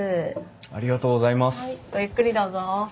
ありがとうございます。